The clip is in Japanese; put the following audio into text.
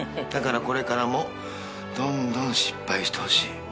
だからこれからもどんどん失敗してほしい。